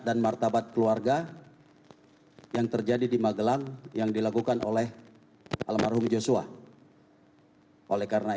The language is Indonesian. dan martabat keluarga yang terjadi di magelang yang dilakukan oleh almarhum joshua oleh karena